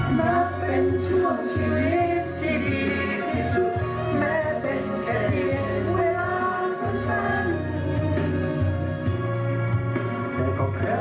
นับเป็นช่วงชีวิตที่ดีที่สุดแม้เป็นแค่เวลาสั้น